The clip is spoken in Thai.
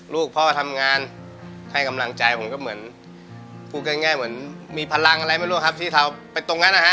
ลูกพ่อทำงานให้กำลังใจผมก็เหมือนพูดง่ายเหมือนมีพลังอะไรไม่รู้ครับที่ทำไปตรงนั้นนะฮะ